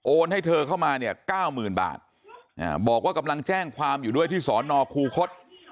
ให้เธอเข้ามาเนี่ยเก้าหมื่นบาทบอกว่ากำลังแจ้งความอยู่ด้วยที่สอนอคูคศ